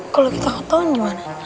kalau kita otot gimana